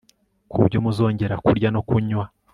ku byo muzongera kurya no kunywa